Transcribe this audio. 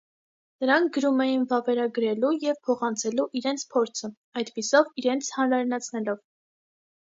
Նրանք գրում էին՝ վավերագրելու և փոխանցելու իրենց փորձը՝ այդպիսով իրենց հանրայնացնելով։